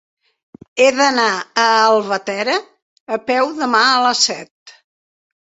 He d'anar a Albatera a peu demà a les set.